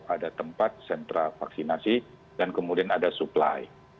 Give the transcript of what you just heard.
ada tempat sentra vaksinasi dan kemudian ada supply